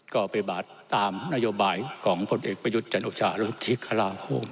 ก็ไปบาดตามนโยบายของผู้เด็กประยุทธ์จันทร์โอชาและทิกฮาราโภม